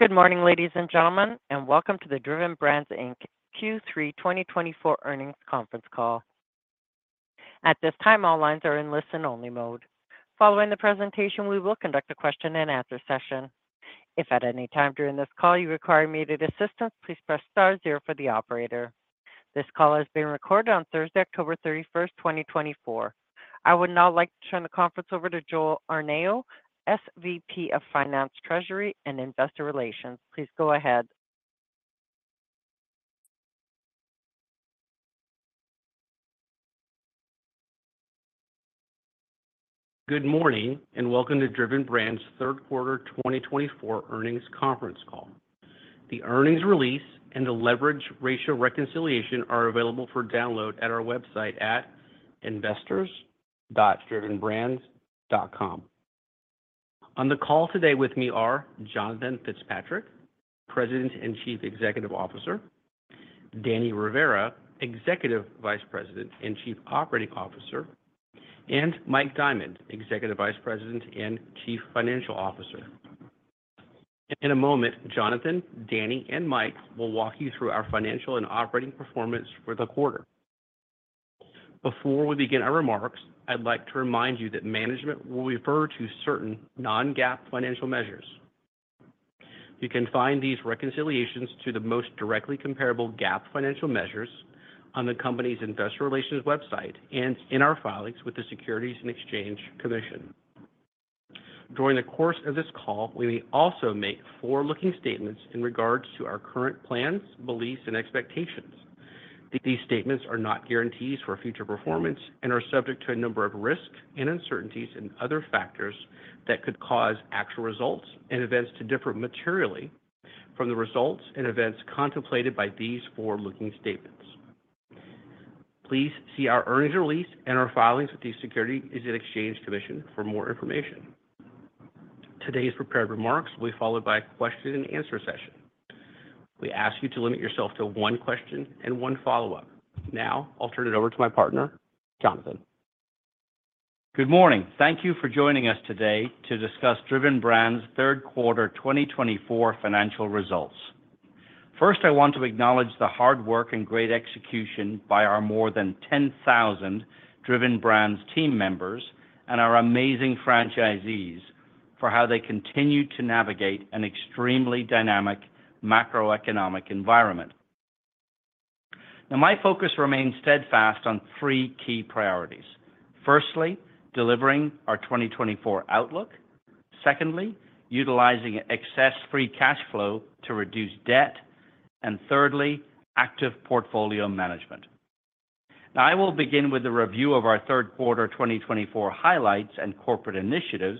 Good morning, ladies and gentlemen, and welcome to the Driven Brands Inc. Q3 2024 Earnings conference call. At this time, all lines are in listen-only mode. Following the presentation, we will conduct a question-and-answer session. If at any time during this call you require immediate assistance, please press star zero for the operator. This call is being recorded on Thursday, October 31st, 2024. I would now like to turn the conference over to Joel Arnao, SVP of Finance, Treasury and Investor Relations. Please go ahead. Good morning and welcome to Driven Brands' Third Quarter 2024 Earnings conference call. The earnings release and the leverage ratio reconciliation are available for download at our website at investors.drivenbrands.com. On the call today with me are Jonathan Fitzpatrick, President and Chief Executive Officer, Danny Rivera, Executive Vice President and Chief Operating Officer, and Mike Diamond, Executive Vice President and Chief Financial Officer. In a moment, Jonathan, Danny, and Mike will walk you through our financial and operating performance for the quarter. Before we begin our remarks, I'd like to remind you that management will refer to certain non-GAAP financial measures. You can find these reconciliations to the most directly comparable GAAP financial measures on the company's investor relations website and in our filings with the Securities and Exchange Commission. During the course of this call, we may also make forward-looking statements in regards to our current plans, beliefs, and expectations. These statements are not guarantees for future performance and are subject to a number of risks and uncertainties and other factors that could cause actual results and events to differ materially from the results and events contemplated by these forward-looking statements. Please see our earnings release and our filings with the Securities and Exchange Commission for more information. Today's prepared remarks will be followed by a question-and-answer session. We ask you to limit yourself to one question and one follow-up. Now, I'll turn it over to my partner, Jonathan. Good morning. Thank you for joining us today to discuss Driven Brands' third quarter 2024 financial results. First, I want to acknowledge the hard work and great execution by our more than 10,000 Driven Brands team members and our amazing franchisees for how they continue to navigate an extremely dynamic macroeconomic environment. Now, my focus remains steadfast on three key priorities. Firstly, delivering our 2024 outlook. Secondly, utilizing excess free cash flow to reduce debt. And thirdly, active portfolio management. Now, I will begin with the review of our third quarter 2024 highlights and corporate initiatives,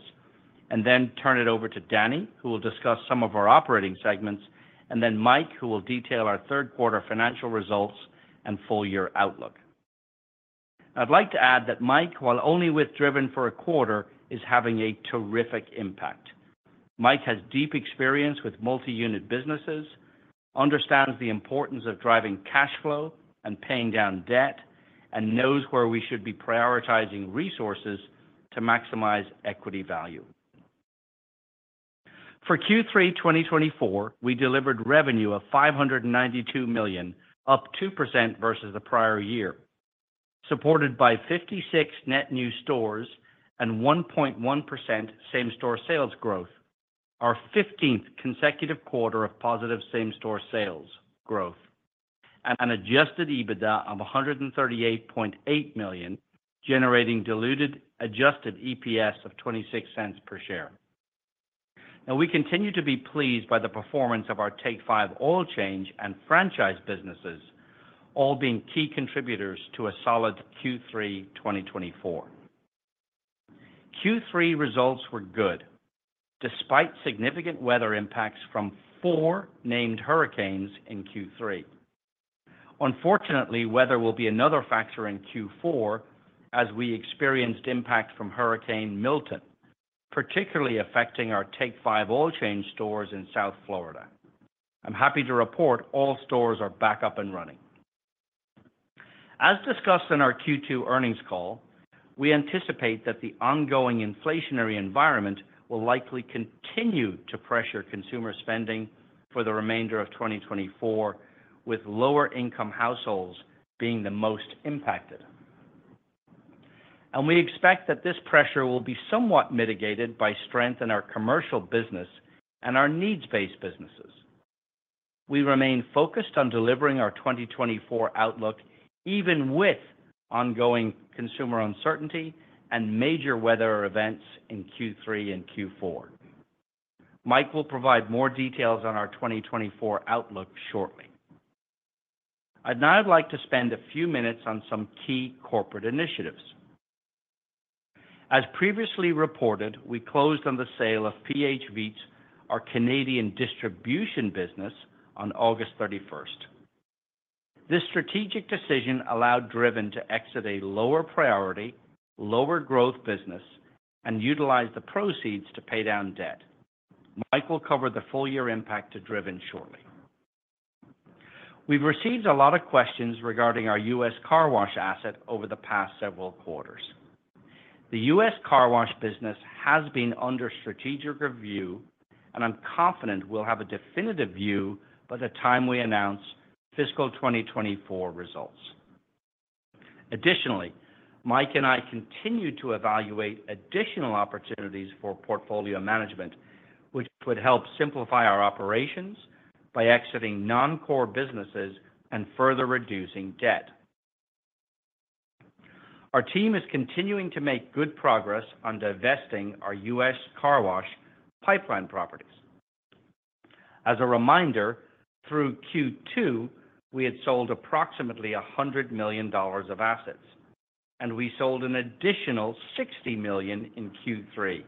and then turn it over to Danny, who will discuss some of our operating segments, and then Mike, who will detail our third quarter financial results and full-year outlook. I'd like to add that Mike, while only with Driven for a quarter, is having a terrific impact. Mike has deep experience with multi-unit businesses, understands the importance of driving cash flow and paying down debt, and knows where we should be prioritizing resources to maximize equity value. For Q3 2024, we delivered revenue of $592 million, up 2% versus the prior year, supported by 56 net new stores and 1.1% same-store sales growth, our 15th consecutive quarter of positive same-store sales growth, and an adjusted EBITDA of $138.8 million, generating diluted adjusted EPS of $0.26 per share. Now, we continue to be pleased by the performance of our Take 5 Oil Change and franchise businesses, all being key contributors to a solid Q3 2024. Q3 results were good despite significant weather impacts from four named hurricanes in Q3. Unfortunately, weather will be another factor in Q4, as we experienced impact from Hurricane Milton, particularly affecting our Take 5 Oil Change stores in South Florida. I'm happy to report all stores are back up and running. As discussed in our Q2 earnings call, we anticipate that the ongoing inflationary environment will likely continue to pressure consumer spending for the remainder of 2024, with lower-income households being the most impacted, and we expect that this pressure will be somewhat mitigated by strength in our commercial business and our needs-based businesses. We remain focused on delivering our 2024 outlook even with ongoing consumer uncertainty and major weather events in Q3 and Q4. Mike will provide more details on our 2024 outlook shortly. Now, I'd like to spend a few minutes on some key corporate initiatives. As previously reported, we closed on the sale of PH Vitres, our Canadian distribution business, on August 31st. This strategic decision allowed Driven to exit a lower priority, lower growth business, and utilize the proceeds to pay down debt. Mike will cover the full-year impact to Driven shortly. We've received a lot of questions regarding our U.S. car wash asset over the past several quarters. The U.S. car wash business has been under strategic review, and I'm confident we'll have a definitive view by the time we announce fiscal 2024 results. Additionally, Mike and I continue to evaluate additional opportunities for portfolio management, which would help simplify our operations by exiting non-core businesses and further reducing debt. Our team is continuing to make good progress on divesting our U.S. car wash pipeline properties. As a reminder, through Q2, we had sold approximately $100 million of assets, and we sold an additional $60 million in Q3.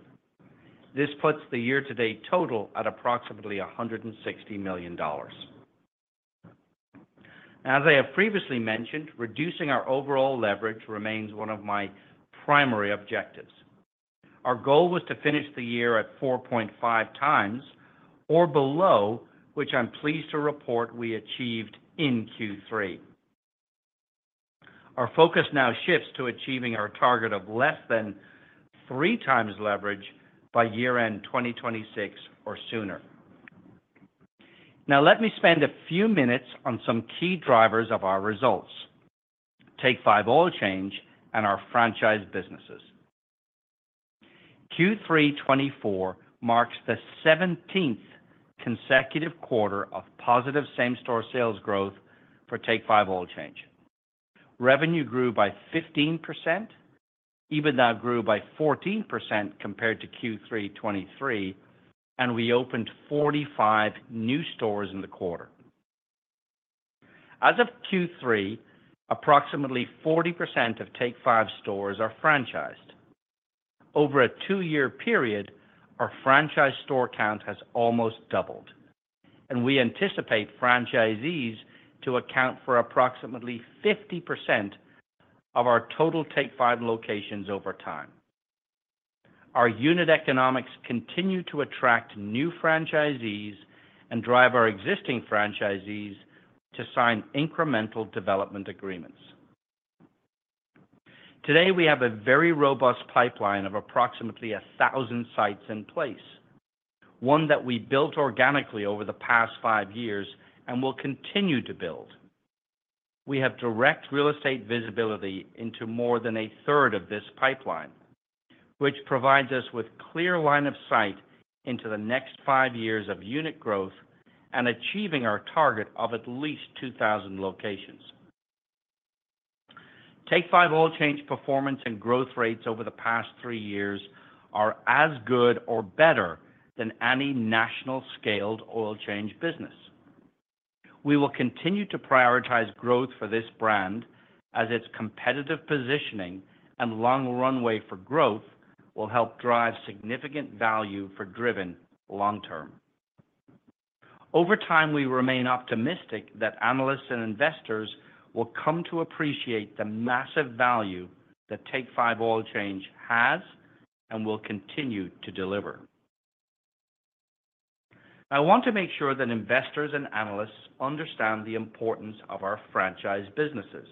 This puts the year-to-date total at approximately $160 million. As I have previously mentioned, reducing our overall leverage remains one of my primary objectives. Our goal was to finish the year at 4.5 times or below, which I'm pleased to report we achieved in Q3 2024. Our focus now shifts to achieving our target of less than three times leverage by year-end 2026 or sooner. Now, let me spend a few minutes on some key drivers of our results: Take 5 Oil Change and our franchise businesses. Q3 2024 marks the 17th consecutive quarter of positive same-store sales growth for Take 5 Oil Change. Revenue grew by 15%. EBITDA grew by 14% compared to Q3 2023, and we opened 45 new stores in the quarter. As of Q3 2024, approximately 40% of Take 5 Oil Change stores are franchised. Over a two-year period, our franchise store count has almost doubled, and we anticipate franchisees to account for approximately 50% of our total Take 5 Oil Change locations over time. Our unit economics continue to attract new franchisees and drive our existing franchisees to sign incremental development agreements. Today, we have a very robust pipeline of approximately 1,000 sites in place, one that we built organically over the past five years and will continue to build. We have direct real estate visibility into more than a third of this pipeline, which provides us with a clear line of sight into the next five years of unit growth and achieving our target of at least 2,000 locations. Take 5 Oil Change performance and growth rates over the past three years are as good or better than any national-scaled oil change business. We will continue to prioritize growth for this brand, as its competitive positioning and long runway for growth will help drive significant value for Driven long-term. Over time, we remain optimistic that analysts and investors will come to appreciate the massive value that Take 5 Oil Change has and will continue to deliver. I want to make sure that investors and analysts understand the importance of our franchise businesses,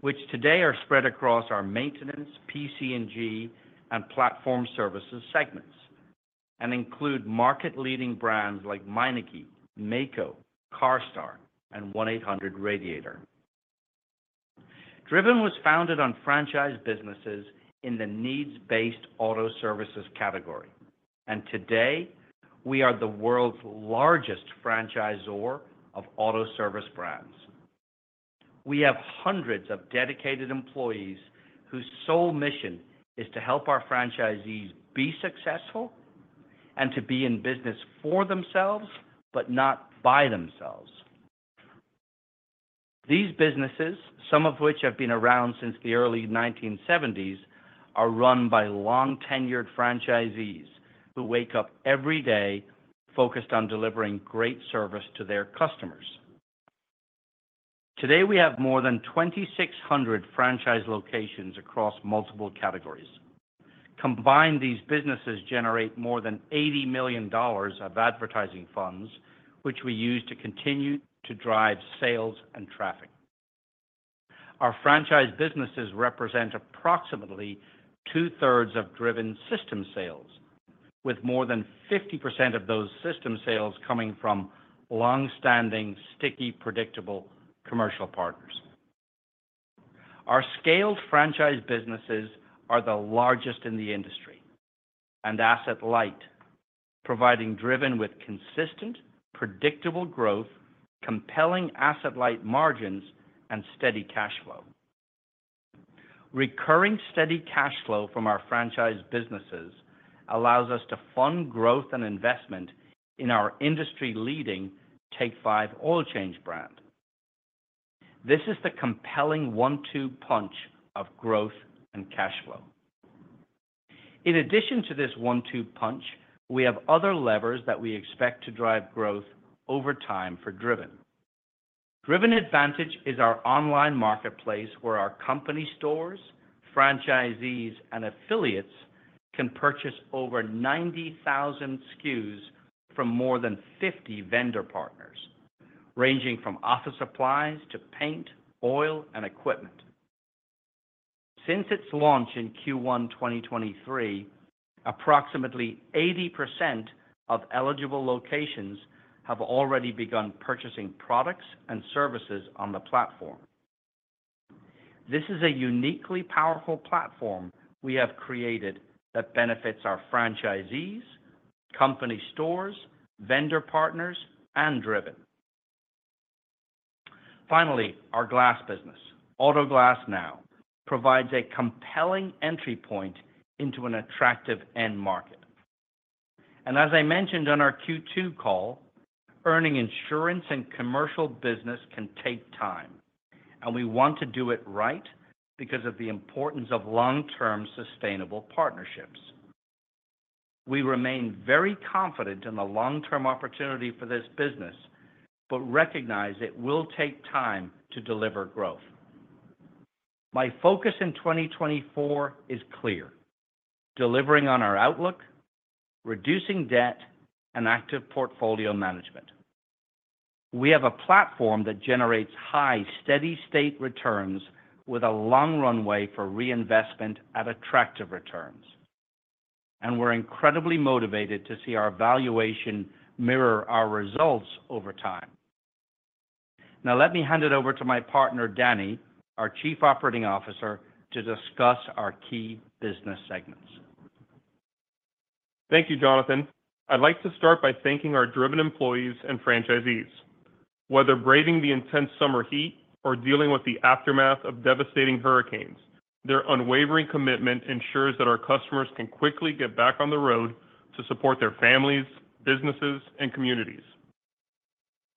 which today are spread across our maintenance, PC&G, and platform services segments and include market-leading brands like Meineke, Maaco, CARSTAR, and 1-800-Radiator. Driven was founded on franchise businesses in the needs-based auto services category, and today we are the world's largest franchisor of auto service brands. We have hundreds of dedicated employees whose sole mission is to help our franchisees be successful and to be in business for themselves but not by themselves. These businesses, some of which have been around since the early 1970s, are run by long-tenured franchisees who wake up every day focused on delivering great service to their customers. Today, we have more than 2,600 franchise locations across multiple categories. Combined, these businesses generate more than $80 million of advertising funds, which we use to continue to drive sales and traffic. Our franchise businesses represent approximately two-thirds of Driven's system sales, with more than 50% of those system sales coming from long-standing, sticky, predictable commercial partners. Our scaled franchise businesses are the largest in the industry and asset-light, providing Driven with consistent, predictable growth, compelling asset-light margins, and steady cash flow. Recurring steady cash flow from our franchise businesses allows us to fund growth and investment in our industry-leading Take 5 Oil Change brand. This is the compelling one-two punch of growth and cash flow. In addition to this one-two punch, we have other levers that we expect to drive growth over time for Driven. Driven Advantage is our online marketplace where our company stores, franchisees, and affiliates can purchase over 90,000 SKUs from more than 50 vendor partners, ranging from office supplies to paint, oil, and equipment. Since its launch in Q1 2023, approximately 80% of eligible locations have already begun purchasing products and services on the platform. This is a uniquely powerful platform we have created that benefits our franchisees, company stores, vendor partners, and Driven. Finally, our glass business, Auto Glass Now, provides a compelling entry point into an attractive end market, and as I mentioned on our Q2 call, earning insurance and commercial business can take time, and we want to do it right because of the importance of long-term sustainable partnerships. We remain very confident in the long-term opportunity for this business but recognize it will take time to deliver growth. My focus in 2024 is clear: delivering on our outlook, reducing debt, and active portfolio management. We have a platform that generates high, steady-state returns with a long runway for reinvestment at attractive returns, and we're incredibly motivated to see our valuation mirror our results over time. Now, let me hand it over to my partner, Danny, our Chief Operating Officer, to discuss our key business segments. Thank you, Jonathan. I'd like to start by thanking our Driven employees and franchisees. Whether braving the intense summer heat or dealing with the aftermath of devastating hurricanes, their unwavering commitment ensures that our customers can quickly get back on the road to support their families, businesses, and communities.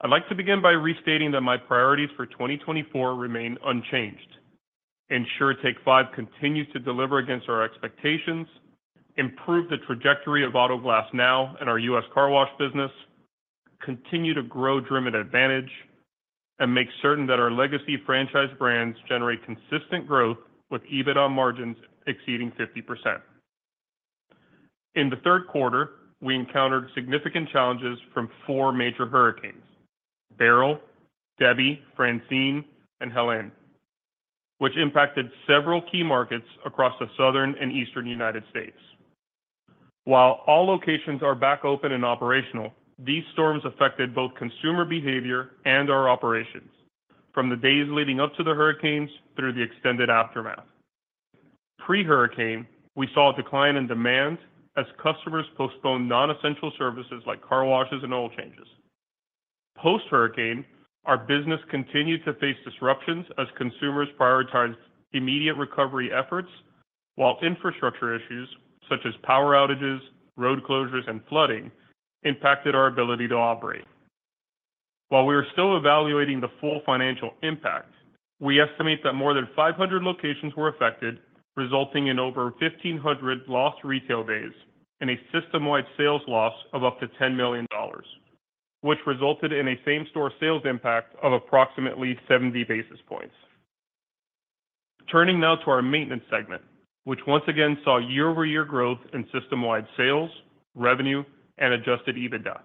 I'd like to begin by restating that my priorities for 2024 remain unchanged. Ensure Take 5 continues to deliver against our expectations, improve the trajectory of Auto Glass Now and our U.S. car wash business, continue to grow Driven Advantage, and make certain that our legacy franchise brands generate consistent growth with EBITDA margins exceeding 50%. In the third quarter, we encountered significant challenges from four major hurricanes: Beryl, Debby, Francine, and Helene, which impacted several key markets across the southern and eastern United States. While all locations are back open and operational, these storms affected both consumer behavior and our operations, from the days leading up to the hurricanes through the extended aftermath. Pre-hurricane, we saw a decline in demand as customers postponed non-essential services like car washes and oil changes. Post-hurricane, our business continued to face disruptions as consumers prioritized immediate recovery efforts, while infrastructure issues such as power outages, road closures, and flooding impacted our ability to operate. While we are still evaluating the full financial impact, we estimate that more than 500 locations were affected, resulting in over 1,500 lost retail days and a system-wide sales loss of up to $10 million, which resulted in a same-store sales impact of approximately 70 basis points. Turning now to our maintenance segment, which once again saw year-over-year growth in system-wide sales, revenue, and Adjusted EBITDA.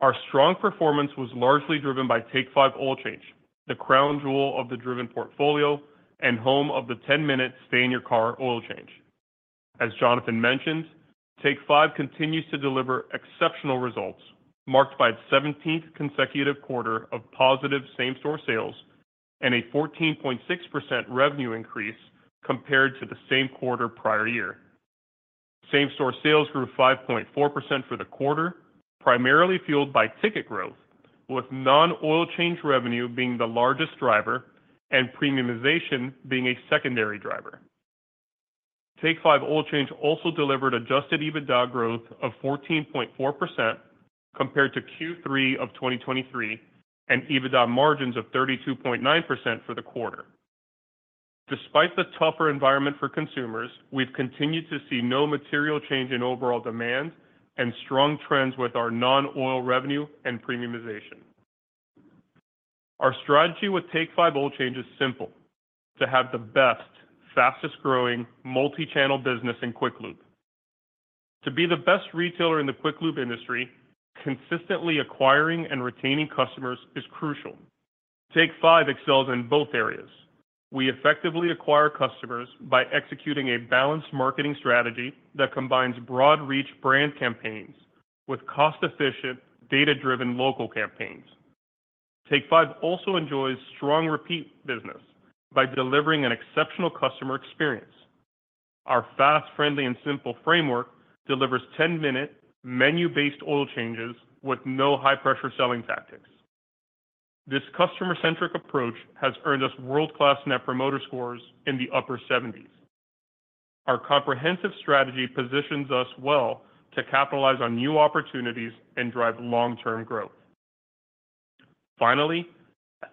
Our strong performance was largely driven by Take 5 Oil Change, the crown jewel of the Driven portfolio and home of the 10-minute stay-in-your-car oil change. As Jonathan mentioned, Take 5 continues to deliver exceptional results, marked by its 17th consecutive quarter of positive same-store sales and a 14.6% revenue increase compared to the same quarter prior year. Same-store sales grew 5.4% for the quarter, primarily fueled by ticket growth, with non-oil change revenue being the largest driver and premiumization being a secondary driver. Take 5 Oil Change also delivered Adjusted EBITDA growth of 14.4% compared to Q3 of 2023 and EBITDA margins of 32.9% for the quarter. Despite the tougher environment for consumers, we've continued to see no material change in overall demand and strong trends with our non-oil revenue and premiumization. Our strategy with Take 5 Oil Change is simple: to have the best, fastest-growing multi-channel business in quick lube. To be the best retailer in the quick lube industry, consistently acquiring and retaining customers is crucial. Take 5 Oil Change excels in both areas. We effectively acquire customers by executing a balanced marketing strategy that combines broad-reach brand campaigns with cost-efficient, data-driven local campaigns. Take 5 Oil Change also enjoys strong repeat business by delivering an exceptional customer experience. Our fast, friendly, and simple framework delivers 10-minute menu-based oil changes with no high-pressure selling tactics. This customer-centric approach has earned us world-class net promoter scores in the upper 70s. Our comprehensive strategy positions us well to capitalize on new opportunities and drive long-term growth. Finally,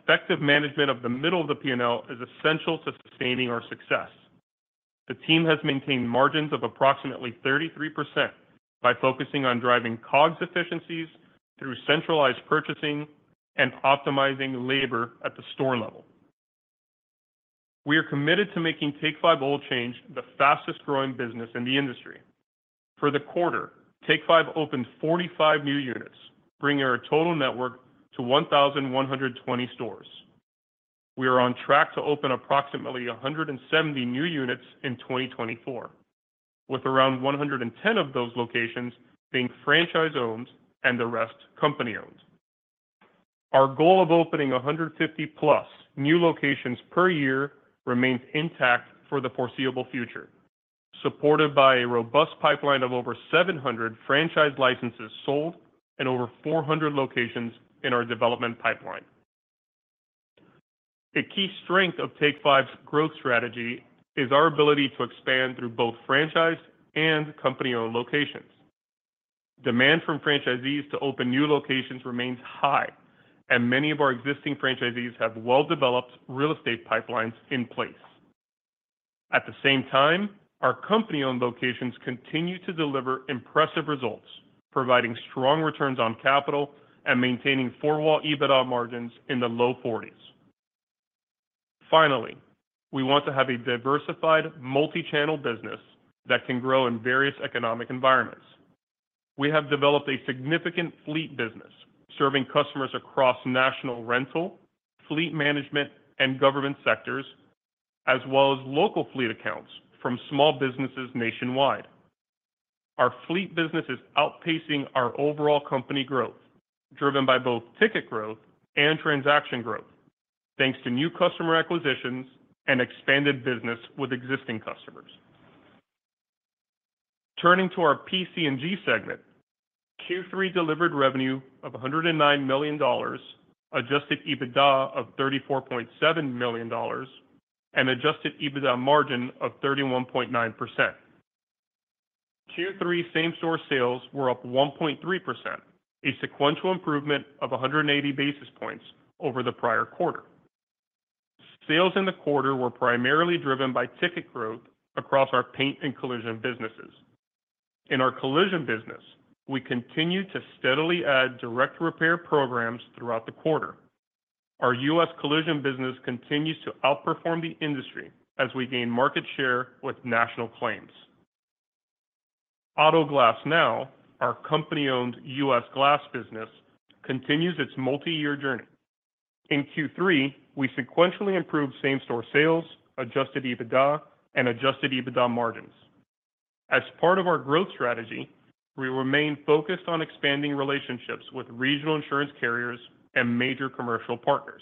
effective management of the middle of the P&L is essential to sustaining our success. The team has maintained margins of approximately 33% by focusing on driving COGS efficiencies through centralized purchasing and optimizing labor at the store level. We are committed to making Take 5 Oil Change the fastest-growing business in the industry. For the quarter, Take 5 opened 45 new units, bringing our total network to 1,120 stores. We are on track to open approximately 170 new units in 2024, with around 110 of those locations being franchise-owned and the rest company-owned. Our goal of opening 150-plus new locations per year remains intact for the foreseeable future, supported by a robust pipeline of over 700 franchise licenses sold and over 400 locations in our development pipeline. A key strength of Take 5's growth strategy is our ability to expand through both franchised and company-owned locations. Demand from franchisees to open new locations remains high, and many of our existing franchisees have well-developed real estate pipelines in place. At the same time, our company-owned locations continue to deliver impressive results, providing strong returns on capital and maintaining four-wall EBITDA margins in the low 40s. Finally, we want to have a diversified, multi-channel business that can grow in various economic environments. We have developed a significant fleet business, serving customers across national rental, fleet management, and government sectors, as well as local fleet accounts from small businesses nationwide. Our fleet business is outpacing our overall company growth, driven by both ticket growth and transaction growth, thanks to new customer acquisitions and expanded business with existing customers. Turning to our PC&G segment, Q3 delivered revenue of $109 million, adjusted EBITDA of $34.7 million, and adjusted EBITDA margin of 31.9%. Q3 same-store sales were up 1.3%, a sequential improvement of 180 basis points over the prior quarter. Sales in the quarter were primarily driven by ticket growth across our paint and collision businesses. In our collision business, we continue to steadily add direct repair programs throughout the quarter. Our U.S. collision business continues to outperform the industry as we gain market share with national claims. Auto Glass Now, our company-owned U.S. glass business, continues its multi-year journey. In Q3, we sequentially improved same-store sales, adjusted EBITDA, and adjusted EBITDA margins. As part of our growth strategy, we remain focused on expanding relationships with regional insurance carriers and major commercial partners.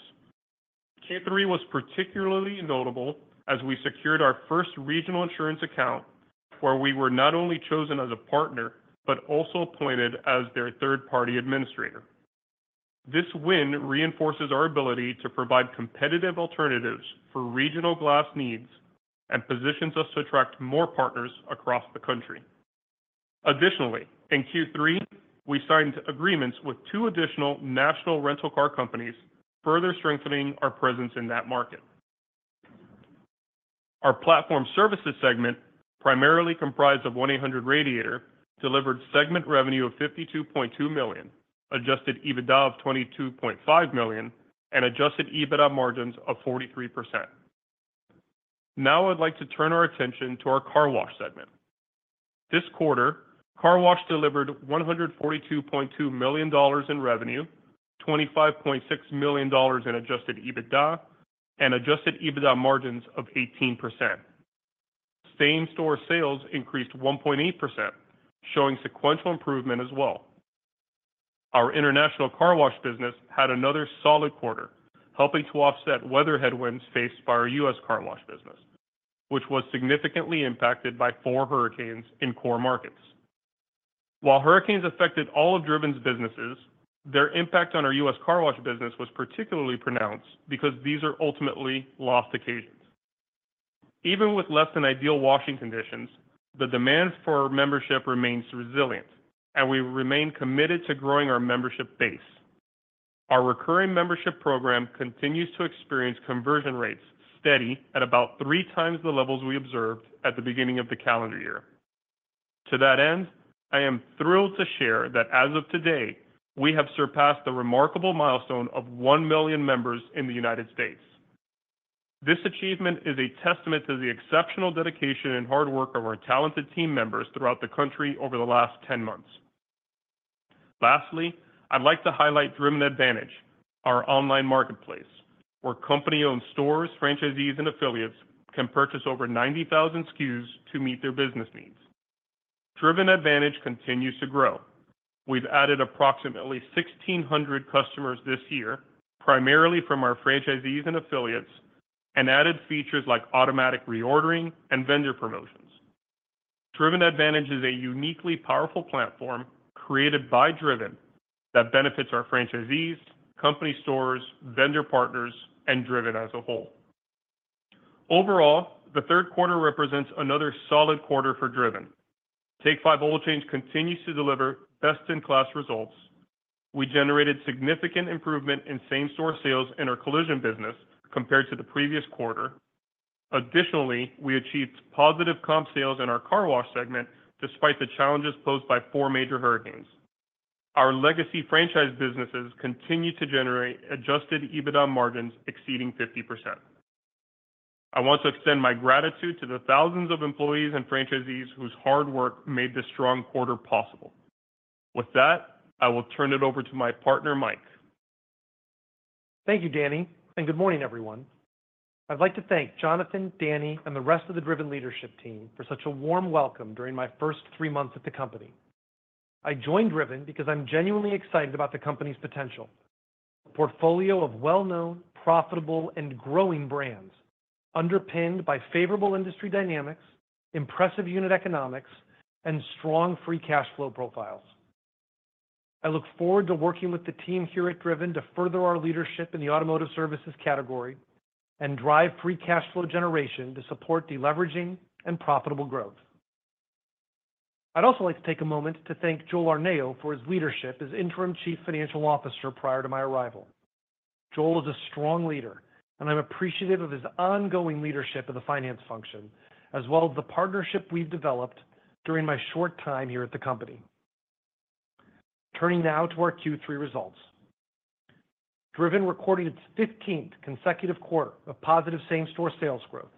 Q3 was particularly notable as we secured our first regional insurance account, where we were not only chosen as a partner but also appointed as their third-party administrator. This win reinforces our ability to provide competitive alternatives for regional glass needs and positions us to attract more partners across the country. Additionally, in Q3, we signed agreements with two additional national rental car companies, further strengthening our presence in that market. Our platform services segment, primarily comprised of 1-800-Radiator, delivered segment revenue of $52.2 million, adjusted EBITDA of $22.5 million, and adjusted EBITDA margins of 43%. Now, I'd like to turn our attention to our car wash segment. This quarter, car wash delivered $142.2 million in revenue, $25.6 million in adjusted EBITDA, and adjusted EBITDA margins of 18%. Same-store sales increased 1.8%, showing sequential improvement as well. Our international car wash business had another solid quarter, helping to offset weather headwinds faced by our U.S. car wash business, which was significantly impacted by four hurricanes in core markets. While hurricanes affected all of Driven's businesses, their impact on our U.S. car wash business was particularly pronounced because these are ultimately lost occasions. Even with less-than-ideal washing conditions, the demand for membership remains resilient, and we remain committed to growing our membership base. Our recurring membership program continues to experience conversion rates steady at about three times the levels we observed at the beginning of the calendar year. To that end, I am thrilled to share that as of today, we have surpassed the remarkable milestone of 1 million members in the United States. This achievement is a testament to the exceptional dedication and hard work of our talented team members throughout the country over the last 10 months. Lastly, I'd like to highlight Driven Advantage, our online marketplace, where company-owned stores, franchisees, and affiliates can purchase over 90,000 SKUs to meet their business needs. Driven Advantage continues to grow. We've added approximately 1,600 customers this year, primarily from our franchisees and affiliates, and added features like automatic reordering and vendor promotions. Driven Advantage is a uniquely powerful platform created by Driven that benefits our franchisees, company stores, vendor partners, and Driven as a whole. Overall, the third quarter represents another solid quarter for Driven. Take 5 Oil Change continues to deliver best-in-class results. We generated significant improvement in same-store sales in our collision business compared to the previous quarter. Additionally, we achieved positive comp sales in our car wash segment despite the challenges posed by four major hurricanes. Our legacy franchise businesses continue to generate Adjusted EBITDA margins exceeding 50%. I want to extend my gratitude to the thousands of employees and franchisees whose hard work made this strong quarter possible. With that, I will turn it over to my partner, Mike. Thank you, Danny, and good morning, everyone. I'd like to thank Jonathan, Danny, and the rest of the Driven leadership team for such a warm welcome during my first three months at the company. I joined Driven because I'm genuinely excited about the company's potential: a portfolio of well-known, profitable, and growing brands underpinned by favorable industry dynamics, impressive unit economics, and strong free cash flow profiles. I look forward to working with the team here at Driven to further our leadership in the automotive services category and drive free cash flow generation to support the leveraging and profitable growth. I'd also like to take a moment to thank Joel Arnao for his leadership as interim Chief Financial Officer prior to my arrival. Joel is a strong leader, and I'm appreciative of his ongoing leadership of the finance function, as well as the partnership we've developed during my short time here at the company. Turning now to our Q3 results, Driven recorded its 15th consecutive quarter of positive same-store sales growth,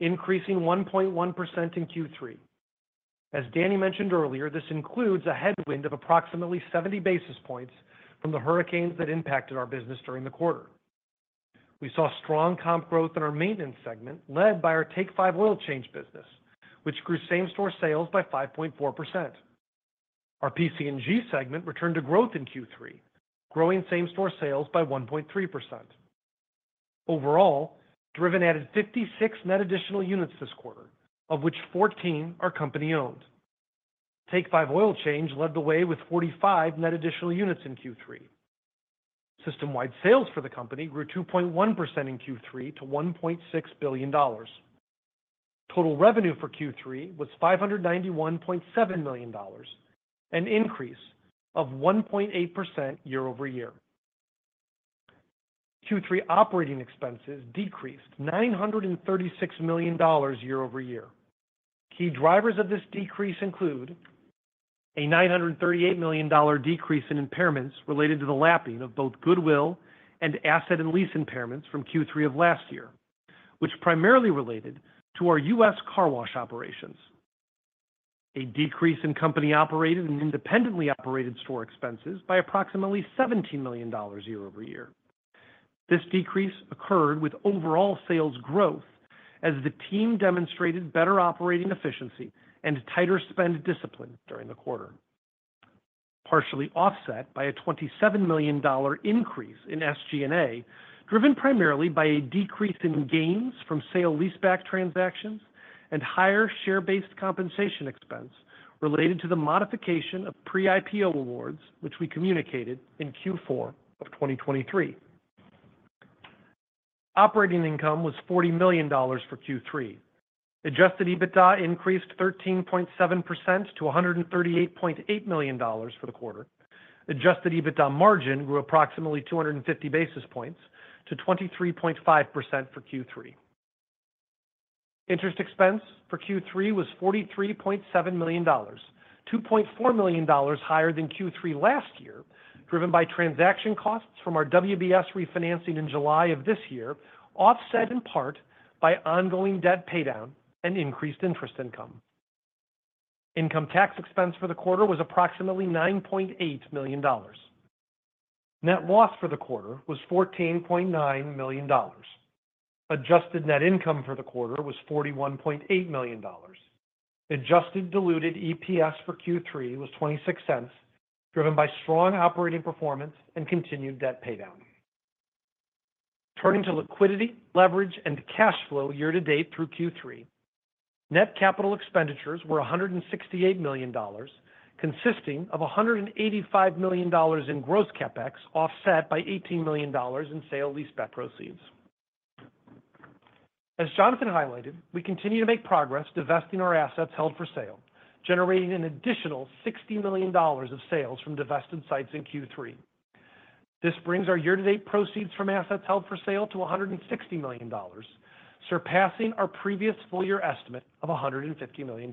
increasing 1.1% in Q3. As Danny mentioned earlier, this includes a headwind of approximately 70 basis points from the hurricanes that impacted our business during the quarter. We saw strong comp growth in our maintenance segment led by our Take 5 Oil Change business, which grew same-store sales by 5.4%. Our PC&G segment returned to growth in Q3, growing same-store sales by 1.3%. Overall, Driven added 56 net additional units this quarter, of which 14 are company-owned. Take 5 Oil Change led the way with 45 net additional units in Q3. System-wide sales for the company grew 2.1% in Q3 to $1.6 billion. Total revenue for Q3 was $591.7 million, an increase of 1.8% year over year. Q3 operating expenses decreased $936 million year over year. Key drivers of this decrease include a $938 million decrease in impairments related to the lapping of both goodwill and asset and lease impairments from Q3 of last year, which primarily related to our U.S. car wash operations. A decrease in company-operated and independently operated store expenses by approximately $17 million year-over-year. This decrease occurred with overall sales growth as the team demonstrated better operating efficiency and tighter spend discipline during the quarter, partially offset by a $27 million increase in SG&A, driven primarily by a decrease in gains from sale leaseback transactions and higher share-based compensation expense related to the modification of pre-IPO awards, which we communicated in Q4 of 2023. Operating income was $40 million for Q3. Adjusted EBITDA increased 13.7% to $138.8 million for the quarter. Adjusted EBITDA margin grew approximately 250 basis points to 23.5% for Q3. Interest expense for Q3 was $43.7 million, $2.4 million higher than Q3 last year, driven by transaction costs from our WBS refinancing in July of this year, offset in part by ongoing debt paydown and increased interest income. Income tax expense for the quarter was approximately $9.8 million. Net loss for the quarter was $14.9 million. Adjusted net income for the quarter was $41.8 million. Adjusted diluted EPS for Q3 was $0.26, driven by strong operating performance and continued debt paydown. Turning to liquidity, leverage, and cash flow year to date through Q3, net capital expenditures were $168 million, consisting of $185 million in gross CapEx, offset by $18 million in sale leaseback proceeds. As Jonathan highlighted, we continue to make progress divesting our assets held for sale, generating an additional $60 million of sales from divested sites in Q3. This brings our year-to-date proceeds from assets held for sale to $160 million, surpassing our previous full-year estimate of $150 million.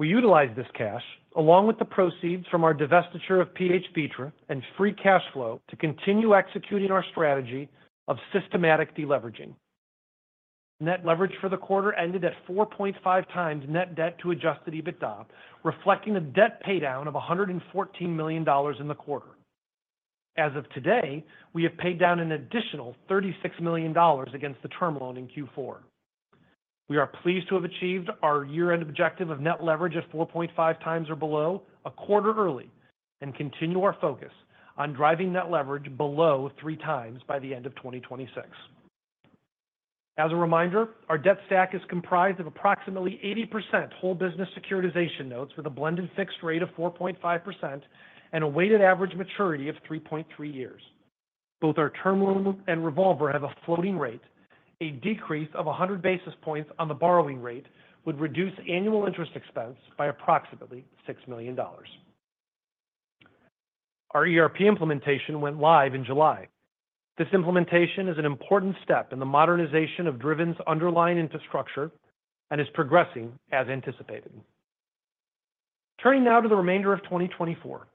We utilize this cash, along with the proceeds from our divestiture of PH Vitres and free cash flow, to continue executing our strategy of systematic deleveraging. Net leverage for the quarter ended at 4.5 times net debt to Adjusted EBITDA, reflecting a debt paydown of $114 million in the quarter. As of today, we have paid down an additional $36 million against the term loan in Q4. We are pleased to have achieved our year-end objective of net leverage at 4.5 times or below a quarter early and continue our focus on driving net leverage below three times by the end of 2026. As a reminder, our debt stack is comprised of approximately 80% whole business securitization notes with a blended fixed rate of 4.5% and a weighted average maturity of 3.3 years. Both our term loan and revolver have a floating rate. A decrease of 100 basis points on the borrowing rate would reduce annual interest expense by approximately $6 million. Our ERP implementation went live in July. This implementation is an important step in the modernization of Driven's underlying infrastructure and is progressing as anticipated. Turning now to the remainder of 2024,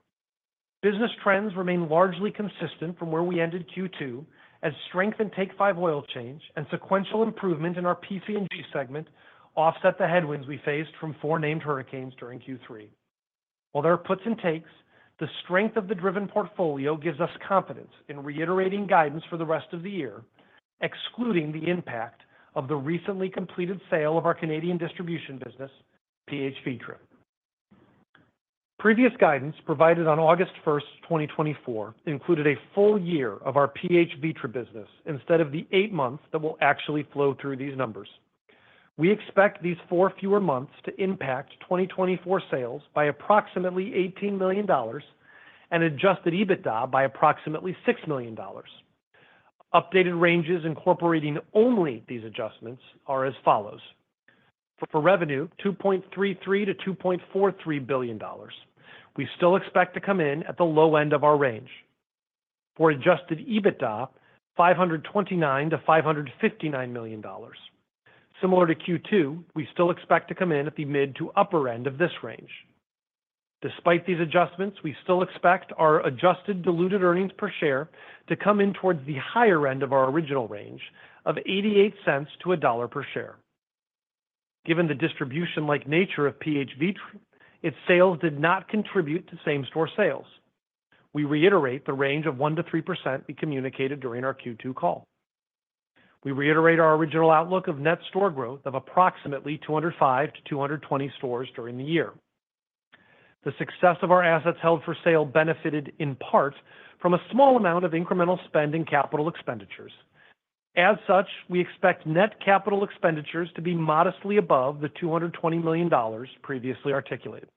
business trends remain largely consistent from where we ended Q2, as strength in Take 5 Oil Change and sequential improvement in our PC&G segment offset the headwinds we faced from four named hurricanes during Q3. While there are puts and takes, the strength of the Driven portfolio gives us confidence in reiterating guidance for the rest of the year, excluding the impact of the recently completed sale of our Canadian distribution business, PH Vitres. Previous guidance provided on August 1, 2024, included a full year of our PH Vitres business instead of the eight months that will actually flow through these numbers. We expect these four fewer months to impact 2024 sales by approximately $18 million and Adjusted EBITDA by approximately $6 million. Updated ranges incorporating only these adjustments are as follows: for revenue, $2.33-$2.43 billion. We still expect to come in at the low end of our range. For Adjusted EBITDA, $529-$559 million. Similar to Q2, we still expect to come in at the mid to upper end of this range. Despite these adjustments, we still expect our adjusted diluted earnings per share to come in towards the higher end of our original range of $0.88-$1 per share. Given the distribution-like nature of PH Vitres, its sales did not contribute to same-store sales. We reiterate the range of 1%-3% we communicated during our Q2 call. We reiterate our original outlook of net store growth of approximately 205-220 stores during the year. The success of our assets held for sale benefited in part from a small amount of incremental spend in capital expenditures. As such, we expect net capital expenditures to be modestly above the $220 million previously articulated.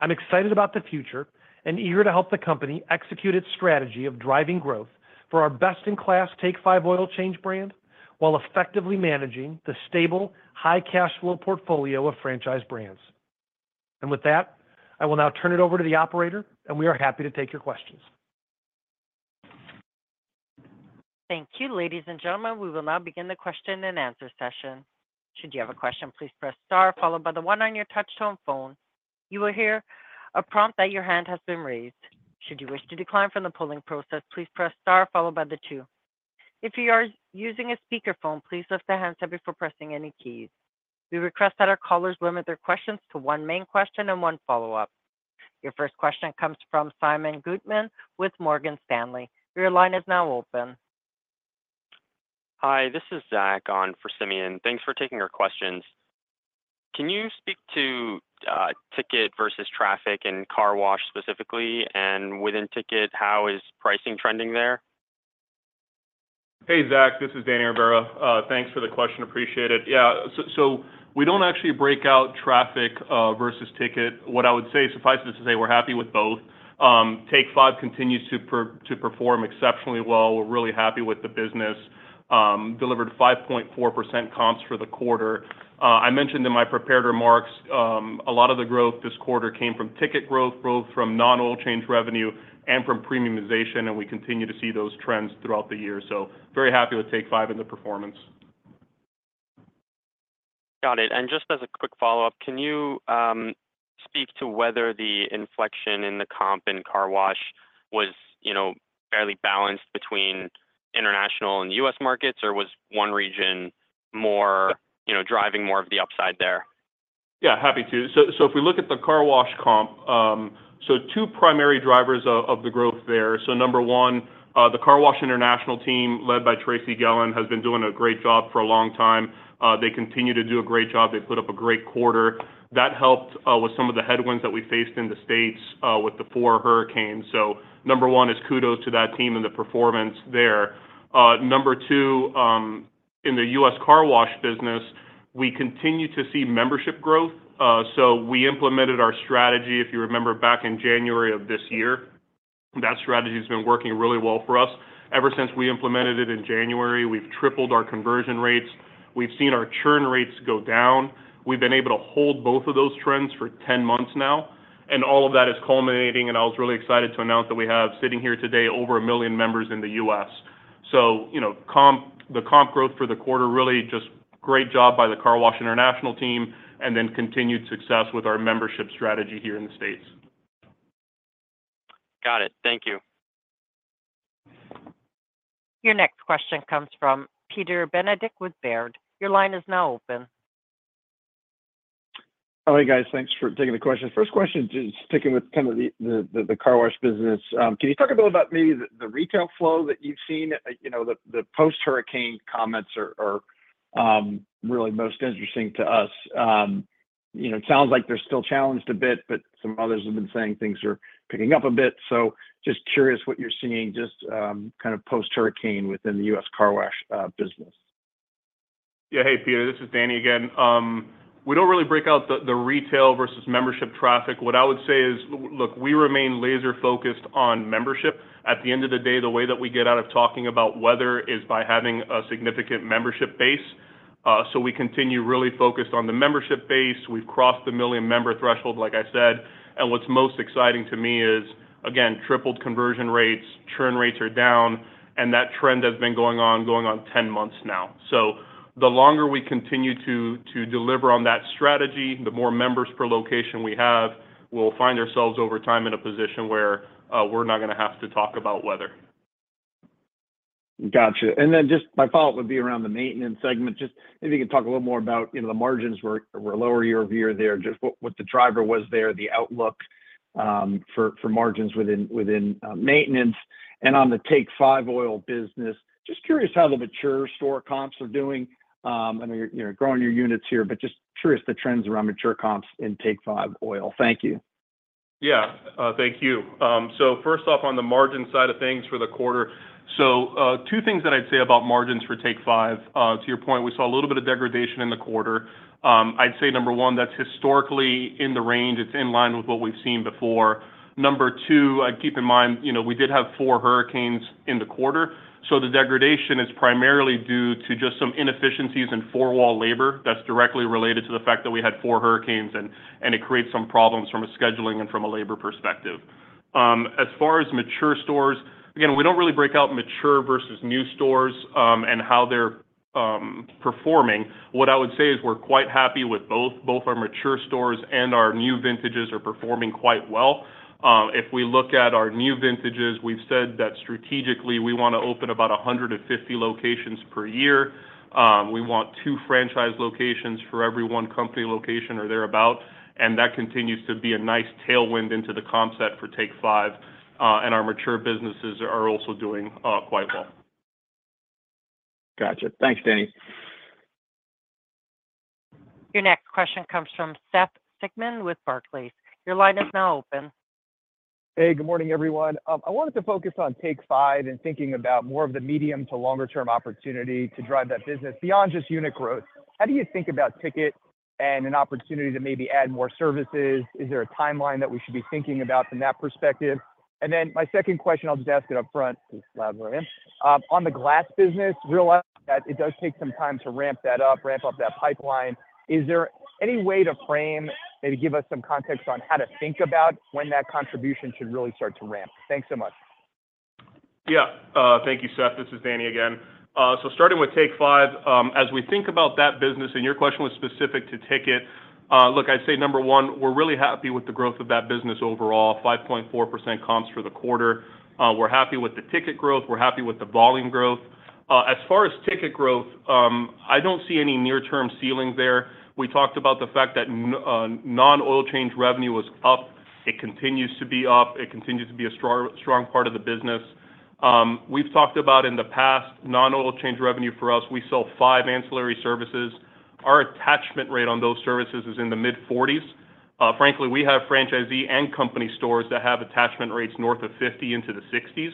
I'm excited about the future and eager to help the company execute its strategy of driving growth for our best-in-class Take 5 Oil Change brand while effectively managing the stable, high-cash flow portfolio of franchise brands. And with that, I will now turn it over to the operator, and we are happy to take your questions. Thank you, ladies and gentlemen. We will now begin the question-and-answer session. Should you have a question, please press star, followed by the one on your touch-tone phone. You will hear a prompt that your hand has been raised. Should you wish to decline from the polling process, please press star, followed by the two. If you are using a speakerphone, please lift the handset up before pressing any keys. We request that our callers limit their questions to one main question and one follow-up. Your first question comes from Simeon Gutman with Morgan Stanley. Your line is now open. Hi, this is Zach on for Simeon. Thanks for taking our questions. Can you speak to ticket versus traffic and car wash specifically? And within ticket, how is pricing trending there? Hey, Zach, this is Danny Rivera. Thanks for the question. Appreciate it. Yeah, so we don't actually break out traffic versus ticket. What I would say suffices to say we're happy with both. Take 5 continues to perform exceptionally well. We're really happy with the business. Delivered 5.4% comps for the quarter. I mentioned in my prepared remarks, a lot of the growth this quarter came from ticket growth, growth from non-oil change revenue, and from premiumization, and we continue to see those trends throughout the year. So very happy with Take 5 and the performance. Got it. And just as a quick follow-up, can you speak to whether the inflection in the comp in car wash was fairly balanced between international and U.S. markets, or was one region driving more of the upside there? Yeah, happy to. So if we look at the car wash comp, so two primary drivers of the growth there. So number one, the car wash international team led by Tracey Gellin has been doing a great job for a long time. They continue to do a great job. They put up a great quarter. That helped with some of the headwinds that we faced in the States with the four hurricanes. So number one is kudos to that team and the performance there. Number two, in the U.S. car wash business, we continue to see membership growth. So we implemented our strategy, if you remember, back in January of this year. That strategy has been working really well for us. Ever since we implemented it in January, we've tripled our conversion rates. We've seen our churn rates go down. We've been able to hold both of those trends for 10 months now. And all of that is culminating, and I was really excited to announce that we have sitting here today over a million members in the U.S. So the comp growth for the quarter. Really just great job by the car wash international team and then continued success with our membership strategy here in the States. Got it. Thank you. Your next question comes from Peter Benedict with Baird. Your line is now open. Hi guys. Thanks for taking the question. First question just sticking with kind of the car wash business. Can you talk a bit about maybe the retail flow that you've seen? The post-hurricane comments are really most interesting to us. It sounds like they're still challenged a bit, but some others have been saying things are picking up a bit. So just curious what you're seeing just kind of post-hurricane within the U.S. car wash business. Yeah, hey, Peter. This is Danny again. We don't really break out the retail versus membership traffic. What I would say is, look, we remain laser-focused on membership. At the end of the day, the way that we get out of talking about weather is by having a significant membership base. So we continue really focused on the membership base. We've crossed the million-member threshold, like I said. What's most exciting to me is, again, tripled conversion rates, churn rates are down, and that trend has been going on, going on 10 months now. So the longer we continue to deliver on that strategy, the more members per location we have, we'll find ourselves over time in a position where we're not going to have to talk about weather. Gotcha. And then just my follow-up would be around the maintenance segment. Just maybe you can talk a little more about the margins were lower year over year there, just what the driver was there, the outlook for margins within maintenance. And on the Take 5 Oil business, just curious how the mature store comps are doing. I know you're growing your units here, but just curious the trends around mature comps in Take 5 Oil. Thank you. Yeah, thank you. So first off, on the margin side of things for the quarter, so two things that I'd say about margins for Take 5. To your point, we saw a little bit of degradation in the quarter. I'd say number one, that's historically in the range. It's in line with what we've seen before. Number two, keep in mind, we did have four hurricanes in the quarter. So the degradation is primarily due to just some inefficiencies in four-wall labor. That's directly related to the fact that we had four hurricanes, and it creates some problems from a scheduling and from a labor perspective. As far as mature stores, again, we don't really break out mature versus new stores and how they're performing. What I would say is we're quite happy with both. Both our mature stores and our new vintages are performing quite well. If we look at our new vintages, we've said that strategically we want to open about 150 locations per year. We want two franchise locations for every one company location or thereabout. And that continues to be a nice tailwind into the comp set for Take 5. And our mature businesses are also doing quite well. Gotcha. Thanks, Danny. Your next question comes from Seth Sigman with Barclays. Your line is now open. Hey, good morning, everyone. I wanted to focus on Take 5 and thinking about more of the medium to longer-term opportunity to drive that business beyond just unit growth. How do you think about ticket and an opportunity to maybe add more services? Is there a timeline that we should be thinking about from that perspective? And then my second question, I'll just ask it upfront. On the glass business, realizing that it does take some time to ramp that up, ramp up that pipeline. Is there any way to frame and give us some context on how to think about when that contribution should really start to ramp? Thanks so much. Yeah, thank you, Seth. This is Danny again. So starting with Take 5, as we think about that business, and your question was specific to ticket, look, I'd say number one, we're really happy with the growth of that business overall, 5.4% comps for the quarter. We're happy with the ticket growth. We're happy with the volume growth. As far as ticket growth, I don't see any near-term ceiling there. We talked about the fact that non-oil change revenue was up. It continues to be up. It continues to be a strong part of the business. We've talked about in the past non-oil change revenue for us. We sell five ancillary services. Our attachment rate on those services is in the mid-40s. Frankly, we have franchisee and company stores that have attachment rates north of 50 into the 60s.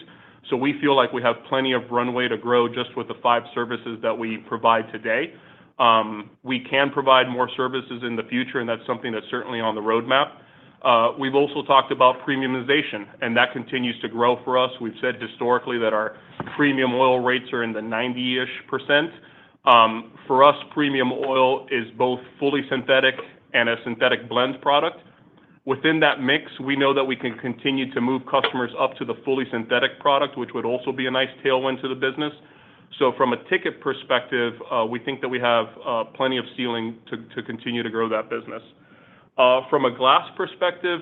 So we feel like we have plenty of runway to grow just with the five services that we provide today. We can provide more services in the future, and that's something that's certainly on the roadmap. We've also talked about premiumization, and that continues to grow for us. We've said historically that our premium oil rates are in the 90-ish percent. For us, premium oil is both fully synthetic and a synthetic blend product. Within that mix, we know that we can continue to move customers up to the fully synthetic product, which would also be a nice tailwind to the business. From a ticket perspective, we think that we have plenty of ceiling to continue to grow that business. From a glass perspective,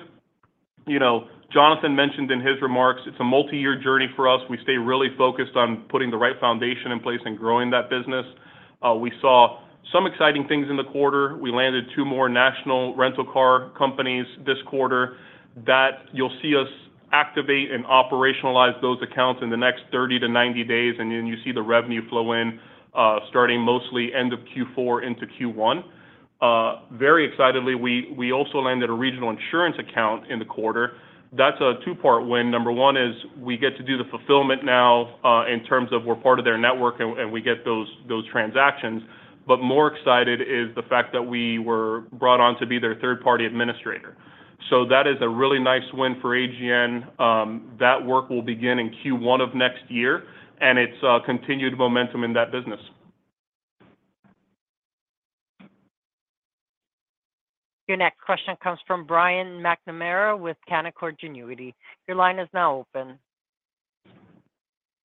Jonathan mentioned in his remarks; it's a multi-year journey for us. We stay really focused on putting the right foundation in place and growing that business. We saw some exciting things in the quarter. We landed two more national rental car companies this quarter that you'll see us activate and operationalize those accounts in the next 30 to 90 days, and then you see the revenue flow in starting mostly end of Q4 into Q1. Very excitedly, we also landed a regional insurance account in the quarter. That's a two-part win. Number one is we get to do the fulfillment now in terms of we're part of their network and we get those transactions. But more excited is the fact that we were brought on to be their third-party administrator. So that is a really nice win for AGN. That work will begin in Q1 of next year, and it's continued momentum in that business. Your next question comes from Brian McNamara with Canaccord Genuity. Your line is now open.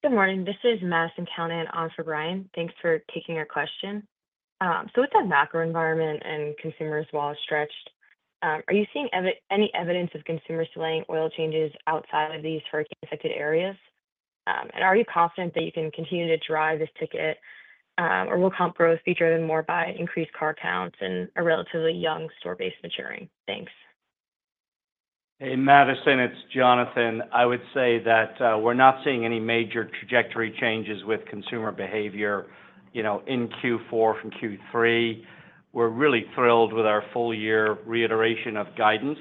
Good morning. This is Madison Callinan on for Brian. Thanks for taking our question. So with that macro environment and consumers' walls stretched, are you seeing any evidence of consumers delaying oil changes outside of these hurricane-affected areas? And are you confident that you can continue to drive this ticket, or will comp growth be driven more by increased car counts and a relatively young store base maturing? Thanks. Hey, Madison, it's Jonathan. I would say that we're not seeing any major trajectory changes with consumer behavior in Q4 from Q3. We're really thrilled with our full-year reiteration of guidance,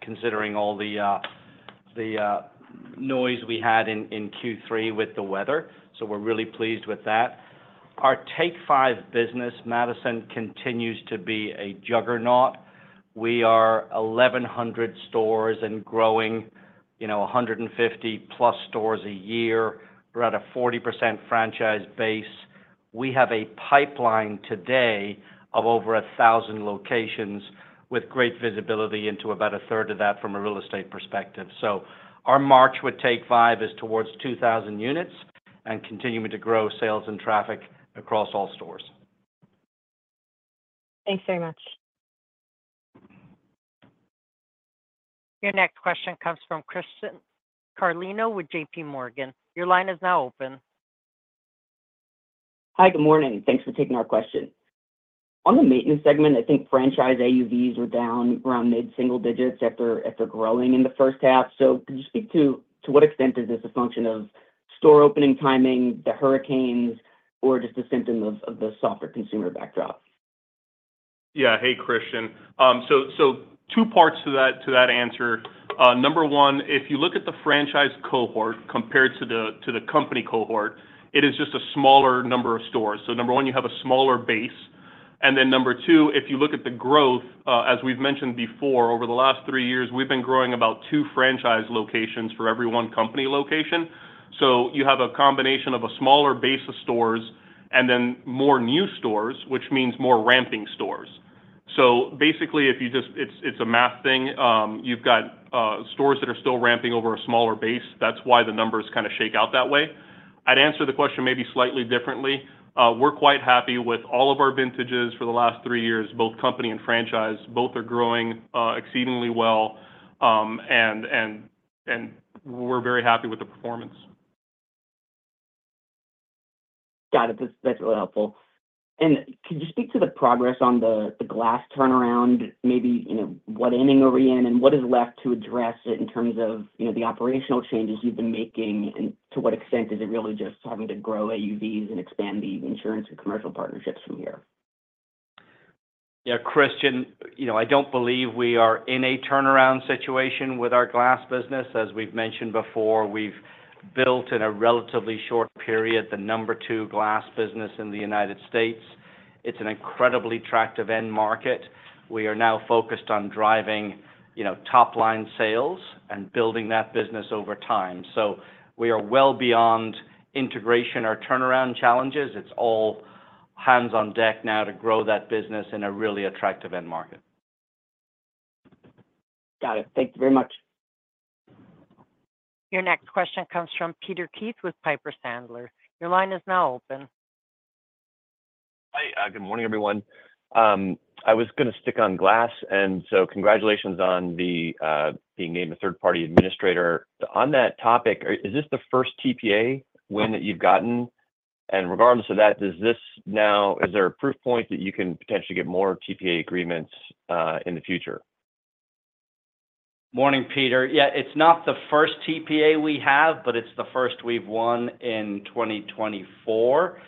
considering all the noise we had in Q3 with the weather. So we're really pleased with that. Our Take 5 business, Madison, continues to be a juggernaut. We are 1,100 stores and growing 150-plus stores a year. We're at a 40% franchise base. We have a pipeline today of over 1,000 locations with great visibility into about a third of that from a real estate perspective. So our march with Take 5 is towards 2,000 units and continuing to grow sales and traffic across all stores. Thanks very much. Your next question comes from Christian Carlino with JP Morgan. Your line is now open. Hi, good morning. Thanks for taking our question. On the maintenance segment, I think franchise AUVs were down around mid-single digits after growing in the first half. So could you speak to what extent is this a function of store opening timing, the hurricanes, or just a symptom of the softer consumer backdrop? Yeah, hey, Christian. So two parts to that answer. Number one, if you look at the franchise cohort compared to the company cohort, it is just a smaller number of stores. So number one, you have a smaller base. And then number two, if you look at the growth, as we've mentioned before, over the last three years, we've been growing about two franchise locations for every one company location. So you have a combination of a smaller base of stores and then more new stores, which means more ramping stores. So basically, if you just, it's a math thing. You've got stores that are still ramping over a smaller base. That's why the numbers kind of shake out that way. I'd answer the question maybe slightly differently. We're quite happy with all of our vintages for the last three years, both company and franchise. Both are growing exceedingly well, and we're very happy with the performance. Got it. That's really helpful. And could you speak to the progress on the glass turnaround, maybe what inning are we in, and what is left to address it in terms of the operational changes you've been making, and to what extent is it really just having to grow AUVs and expand the insurance and commercial partnerships from here? Yeah, Christian, I don't believe we are in a turnaround situation with our glass business. As we've mentioned before, we've built in a relatively short period the number two glass business in the United States. It's an incredibly attractive end market. We are now focused on driving top-line sales and building that business over time. So we are well beyond integration or turnaround challenges. It's all hands on deck now to grow that business in a really attractive end market. Got it. Thank you very much. Your next question comes from Peter Keith with Piper Sandler. Your line is now open. Hi, good morning, everyone. I was going to stick on glass, and so congratulations on being named a third-party administrator. On that topic, is this the first TPA win that you've gotten? And regardless of that, is there a proof point that you can potentially get more TPA agreements in the future? Morning, Peter. Yeah, it's not the first TPA we have, but it's the first we've won in 2024.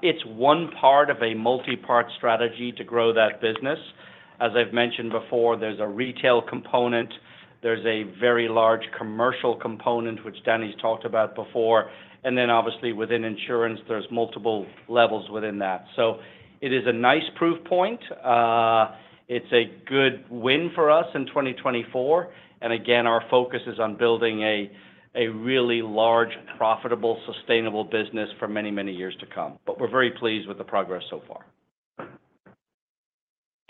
It's one part of a multi-part strategy to grow that business. As I've mentioned before, there's a retail component. There's a very large commercial component, which Danny's talked about before. And then obviously, within insurance, there's multiple levels within that. So it is a nice proof point. It's a good win for us in 2024. And again, our focus is on building a really large, profitable, sustainable business for many, many years to come. But we're very pleased with the progress so far.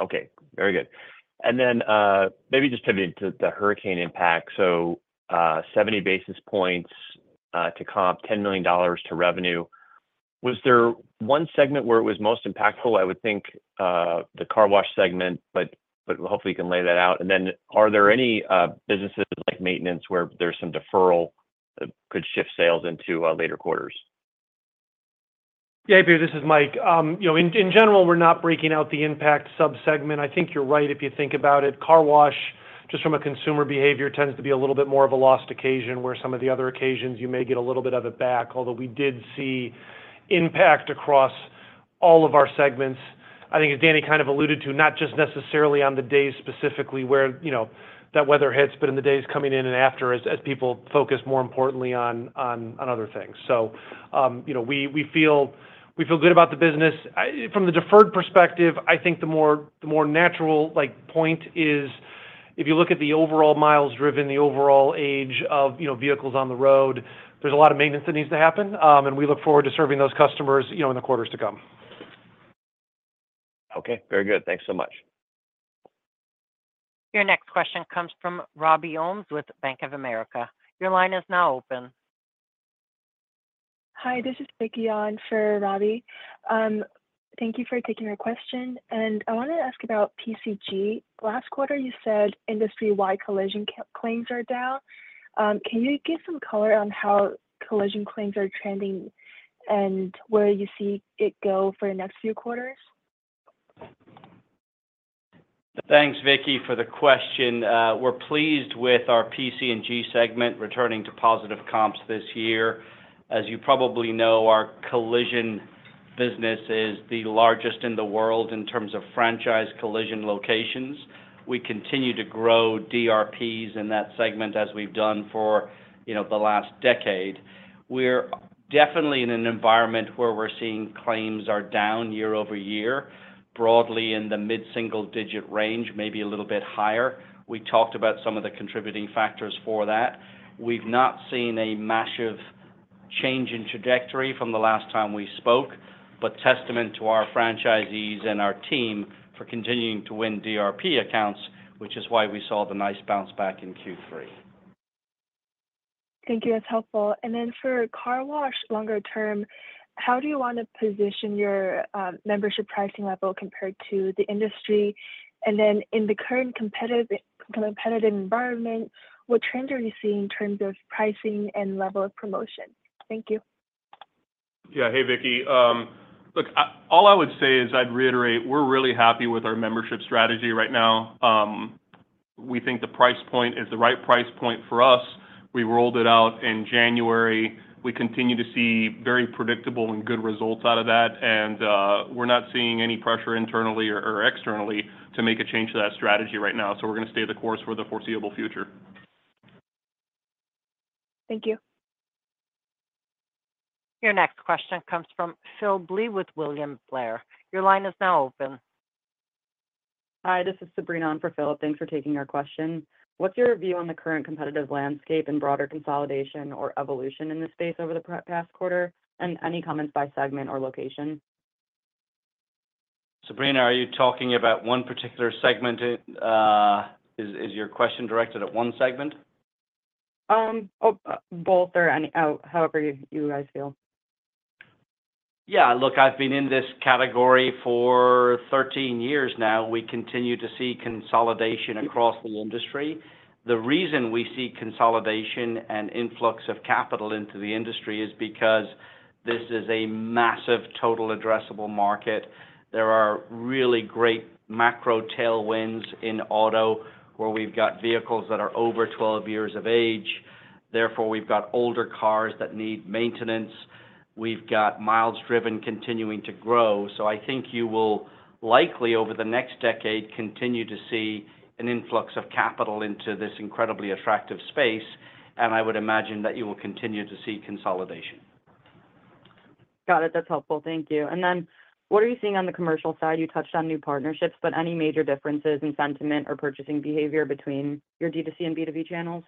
Okay, very good. And then maybe just pivoting to the hurricane impact. So 70 basis points to comp, $10 million to revenue. Was there one segment where it was most impactful? I would think the car wash segment, but hopefully you can lay that out. And then are there any businesses like maintenance where there's some deferral that could shift sales into later quarters? Yeah, Peter, this is Mike. In general, we're not breaking out the impact subsegment. I think you're right if you think about it. Car wash, just from a consumer behavior, tends to be a little bit more of a lost occasion where some of the other occasions you may get a little bit of it back, although we did see impact across all of our segments. I think, as Danny kind of alluded to, not just necessarily on the days specifically where that weather hits, but in the days coming in and after as people focus more importantly on other things. So we feel good about the business. From the deferred perspective, I think the more natural point is if you look at the overall miles driven, the overall age of vehicles on the road, there's a lot of maintenance that needs to happen, and we look forward to serving those customers in the quarters to come. Okay, very good. Thanks so much. Your next question comes from Robbie Ohmes with Bank of America. Your line is now open. Hi, this is Vicky on for Robbie. Thank you for taking our question. I wanted to ask about PC&G. Last quarter, you said industry-wide collision claims are down. Can you give some color on how collision claims are trending and where you see it go for the next few quarters? Thanks, Vicky, for the question. We're pleased with our PC&G segment returning to positive comps this year. As you probably know, our collision business is the largest in the world in terms of franchise collision locations. We continue to grow DRPs in that segment as we've done for the last decade. We're definitely in an environment where we're seeing claims are down year over year, broadly in the mid-single-digit range, maybe a little bit higher. We talked about some of the contributing factors for that. We've not seen a massive change in trajectory from the last time we spoke, but testament to our franchisees and our team for continuing to win DRP accounts, which is why we saw the nice bounce back in Q3. Thank you. That's helpful. And then for car wash longer term, how do you want to position your membership pricing level compared to the industry? And then in the current competitive environment, what trends are you seeing in terms of pricing and level of promotion? Thank you. Yeah, hey, Vicky. Look, all I would say is I'd reiterate we're really happy with our membership strategy right now. We think the price point is the right price point for us. We rolled it out in January. We continue to see very predictable and good results out of that. And we're not seeing any pressure internally or externally to make a change to that strategy right now. So we're going to stay the course for the foreseeable future. Thank you. Your next question comes from Phillip Blee with William Blair. Your line is now open. Hi, this is Sabrina on for Phillip. Thanks for taking our question. What's your view on the current competitive landscape and broader consolidation or evolution in this space over the past quarter? And any comments by segment or location? Sabrina, are you talking about one particular segment? Is your question directed at one segment? Both or however you guys feel. Yeah, look, I've been in this category for 13 years now. We continue to see consolidation across the industry. The reason we see consolidation and influx of capital into the industry is because this is a massive total addressable market. There are really great macro tailwinds in auto where we've got vehicles that are over 12 years of age. Therefore, we've got older cars that need maintenance. We've got miles driven continuing to grow. So I think you will likely, over the next decade, continue to see an influx of capital into this incredibly attractive space. And I would imagine that you will continue to see consolidation. Got it. That's helpful. Thank you. And then what are you seeing on the commercial side? You touched on new partnerships, but any major differences in sentiment or purchasing behavior between your D2C and B2B channels?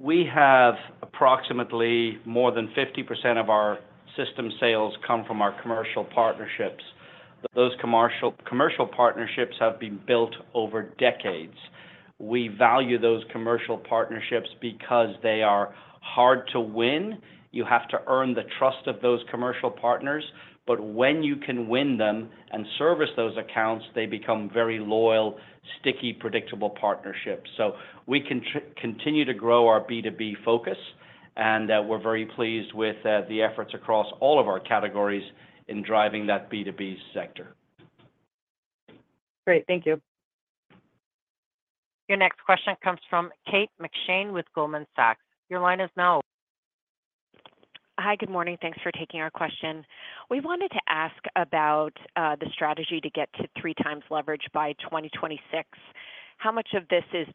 We have approximately more than 50% of our system sales come from our commercial partnerships. Those commercial partnerships have been built over decades. We value those commercial partnerships because they are hard to win. You have to earn the trust of those commercial partners. But when you can win them and service those accounts, they become very loyal, sticky, predictable partnerships. So we can continue to grow our B2B focus. And we're very pleased with the efforts across all of our categories in driving that B2B sector. Great. Thank you. Your next question comes from Kate McShane with Goldman Sachs. Your line is now open. Hi, good morning. Thanks for taking our question. We wanted to ask about the strategy to get to three times leverage by 2026. How much of this is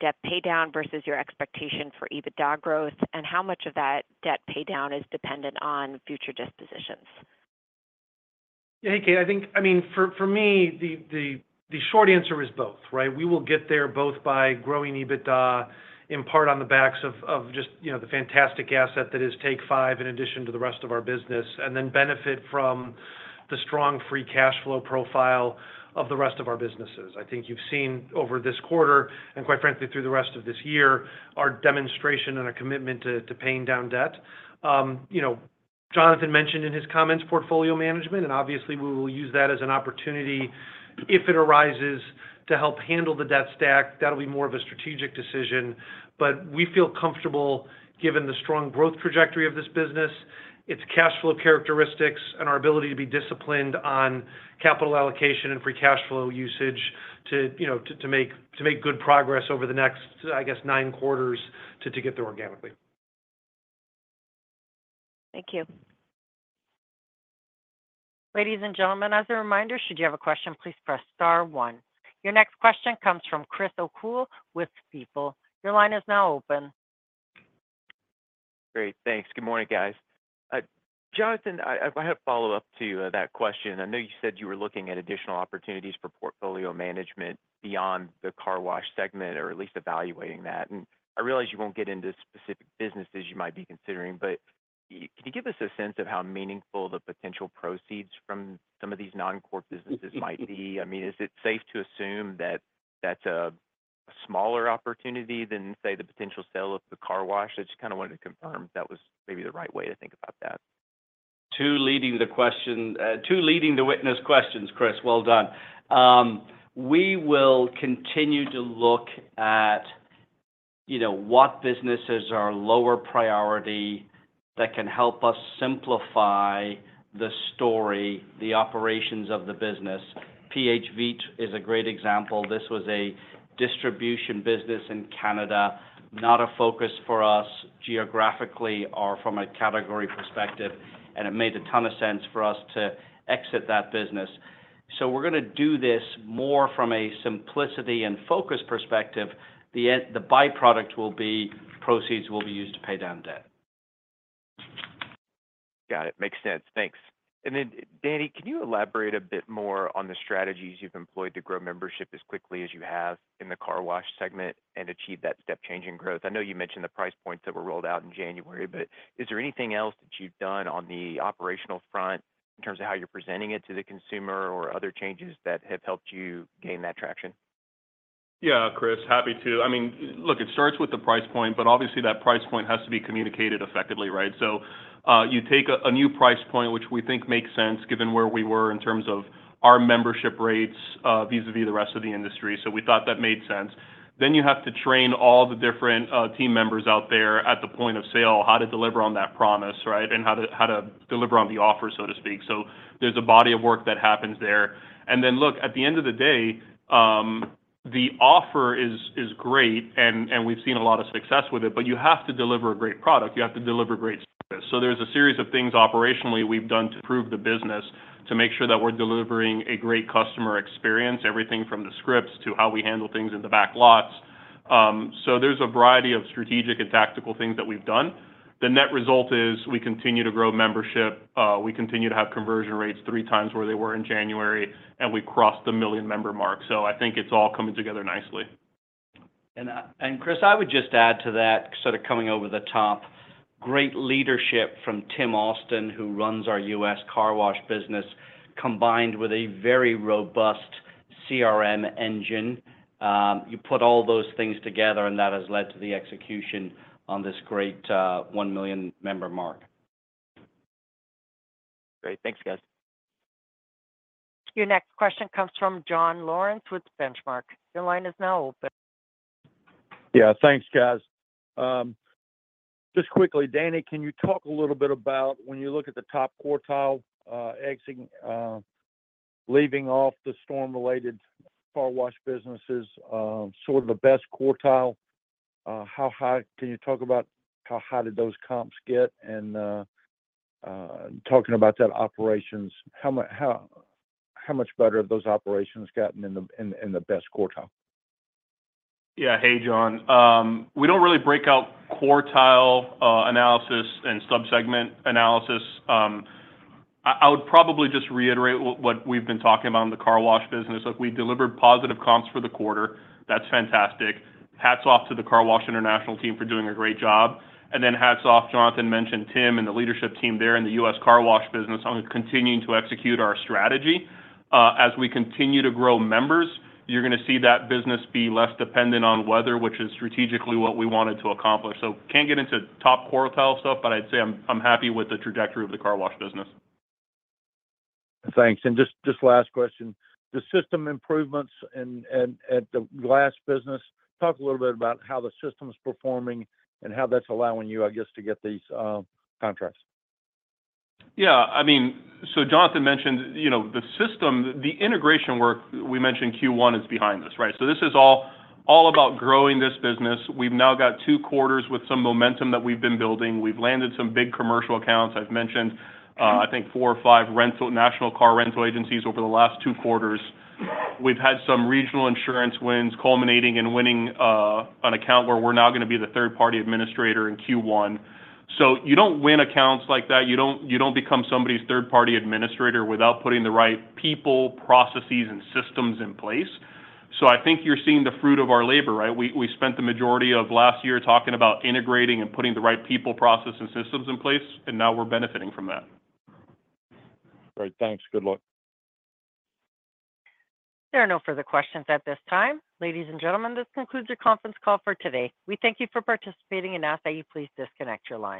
debt pay down versus your expectation for EBITDA growth? And how much of that debt pay down is dependent on future dispositions? Yeah, hey, Kate, I think, I mean, for me, the short answer is both, right? We will get there both by growing EBITDA in part on the backs of just the fantastic asset that is Take 5 in addition to the rest of our business, and then benefit from the strong free cash flow profile of the rest of our businesses. I think you've seen over this quarter, and quite frankly, through the rest of this year, our demonstration and our commitment to paying down debt. Jonathan mentioned in his comments portfolio management, and obviously, we will use that as an opportunity if it arises to help handle the debt stack. That'll be more of a strategic decision. But we feel comfortable, given the strong growth trajectory of this business, its cash flow characteristics, and our ability to be disciplined on capital allocation and free cash flow usage to make good progress over the next, I guess, nine quarters to get there organically. Thank you. Ladies and gentlemen, as a reminder, should you have a question, please press star one. Your next question comes from Chris O'Cull with Stifel. Your line is now open. Great. Thanks. Good morning, guys. Jonathan, I had a follow-up to that question. I know you said you were looking at additional opportunities for portfolio management beyond the car wash segment, or at least evaluating that. And I realize you won't get into specific businesses you might be considering, but can you give us a sense of how meaningful the potential proceeds from some of these non-core businesses might be? I mean, is it safe to assume that that's a smaller opportunity than, say, the potential sale of the car wash? I just kind of wanted to confirm that was maybe the right way to think about that. Too leading the question, too leading the witness questions, Chris. Well done. We will continue to look at what businesses are lower priority that can help us simplify the story, the operations of the business. PH Vitres is a great example. This was a distribution business in Canada, not a focus for us geographically or from a category perspective, and it made a ton of sense for us to exit that business, so we're going to do this more from a simplicity and focus perspective. The byproduct will be proceeds will be used to pay down debt. Got it. Makes sense. Thanks, and then, Danny, can you elaborate a bit more on the strategies you've employed to grow membership as quickly as you have in the car wash segment and achieve that step-changing growth? I know you mentioned the price points that were rolled out in January, but is there anything else that you've done on the operational front in terms of how you're presenting it to the consumer or other changes that have helped you gain that traction? Yeah, Chris, happy to. I mean, look, it starts with the price point, but obviously, that price point has to be communicated effectively, right? So you take a new price point, which we think makes sense given where we were in terms of our membership rates vis-à-vis the rest of the industry. So we thought that made sense. Then you have to train all the different team members out there at the point of sale, how to deliver on that promise, right, and how to deliver on the offer, so to speak. So there's a body of work that happens there. And then, look, at the end of the day, the offer is great, and we've seen a lot of success with it, but you have to deliver a great product. You have to deliver great service. So there's a series of things operationally we've done to prove the business, to make sure that we're delivering a great customer experience, everything from the scripts to how we handle things in the back lots. So there's a variety of strategic and tactical things that we've done. The net result is we continue to grow membership. We continue to have conversion rates three times where they were in January, and we crossed the million member mark. So I think it's all coming together nicely. Chris, I would just add to that, sort of coming over the top, great leadership from Tim Austin, who runs our U.S. car wash business, combined with a very robust CRM engine. You put all those things together, and that has led to the execution on this great one million member mark. Great. Thanks, guys. Your next question comes from John Lawrence with Benchmark. Your line is now open. Yeah, thanks, guys. Just quickly, Danny, can you talk a little bit about when you look at the top quartile excluding, leaving off the storm-related car wash businesses, sort of the best quartile, how high can you talk about how high did those comps get? And talking about that operations, how much better have those operations gotten in the best quartile? Yeah, hey, John. We don't really break out quartile analysis and subsegment analysis. I would probably just reiterate what we've been talking about in the car wash business. We delivered positive comps for the quarter. That's fantastic. Hats off to the Car Wash International team for doing a great job. And then hats off, Jonathan mentioned Tim and the leadership team there in the U.S. car wash business on continuing to execute our strategy. As we continue to grow members, you're going to see that business be less dependent on weather, which is strategically what we wanted to accomplish. So can't get into top quartile stuff, but I'd say I'm happy with the trajectory of the car wash business. Thanks. And just last question. The system improvements at the glass business, talk a little bit about how the system is performing and how that's allowing you, I guess, to get these contracts. Yeah. I mean, so Jonathan mentioned the system, the integration work we mentioned. Q1 is behind us, right? So this is all about growing this business. We've now got two quarters with some momentum that we've been building. We've landed some big commercial accounts. I've mentioned, I think, four or five national car rental agencies over the last two quarters. We've had some regional insurance wins culminating in winning an account where we're now going to be the third-party administrator in Q1. So you don't win accounts like that. You don't become somebody's third-party administrator without putting the right people, processes, and systems in place. So I think you're seeing the fruit of our labor, right? We spent the majority of last year talking about integrating and putting the right people, processes, and systems in place, and now we're benefiting from that. Great. Thanks. Good luck. There are no further questions at this time. Ladies and gentlemen, this concludes your conference call for today. We thank you for participating and ask that you please disconnect your line.